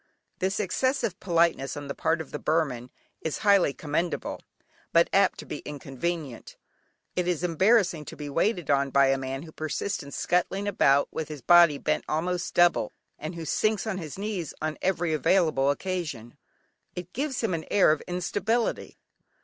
This excessive politeness on the part of the Burman is highly commendable, but apt to be inconvenient. It is embarrassing to be waited on by a man who persists in scuttling about with his body bent almost double, and who sinks on his knees on every available occasion; it gives him an air of instability.